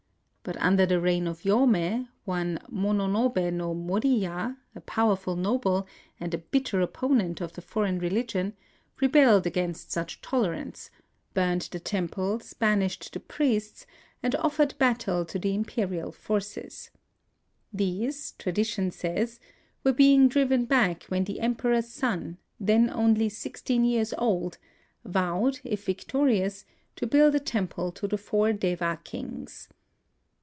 But under the reign of Yomei, one Mononobe no Moriya, a powerful noble, and a bitter opponent of the foreign religion, rebelled against such toler ance, burned the temples, banished the priests, and offered battle to the imperial forces. These, tradition says, were being driven back when the Emperor's son — then only sixteen years old — vowed if victorious to build a temple to the Four Deva Kings.